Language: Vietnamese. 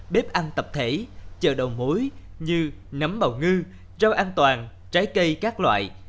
bếp ăn tập thể chợ đầu mối như nấm bào ngư rau an toàn trái cây các loại